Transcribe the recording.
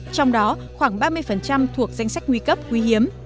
trong đó khoảng ba mươi thuộc danh sách nguy cấp quý hiếm